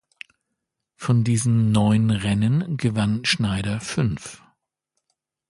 Von diesen neun Rennen gewann Schneider fünf.